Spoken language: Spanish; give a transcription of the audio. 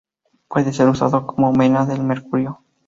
Puede ser usado como mena del mercurio.